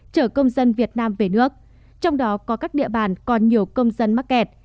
chở công dân việt nam về nước trong đó có các địa bàn còn nhiều công dân mắc kẹt